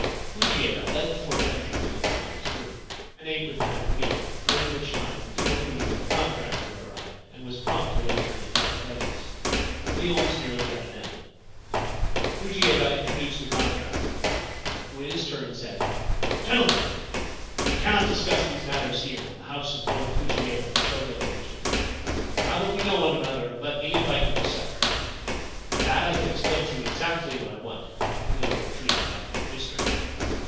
Fujieda led the four countrymen into the next room, and ate with them at the meal, during which time Kinokuniya the contractor arrived, and was promptly 356 The Camphor Tree Tomb ushered into their presence. The meal was nearly at an end. Fujieda introduced the contractor, who in his turn said : c Gentlemen, we cannot discuss these matters here in the house of Lord Fujieda the Shogun's agent. Now that we know one another, let me invite you to supper ; at that I can explain to you exactly what I want in the way of trees out of your district.